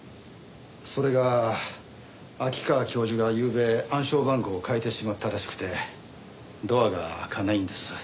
それが秋川教授がゆうべ暗証番号を変えてしまったらしくてドアが開かないんです。